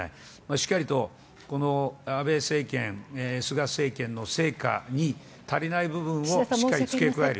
しっかりとこの安倍政権、菅政権の成果に足りない部分を付け加える。